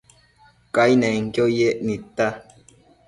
Cainenquio yec nidta